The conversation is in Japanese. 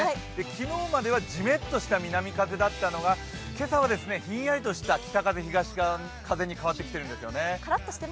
昨日まではじめっとした南風だったのが、今朝はひんやりとした北風東風に変わってきているんです。